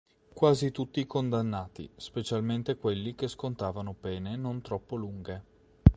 Quasi tutti i condannati, specialmente quelli che scontavano pene non troppo lunghe.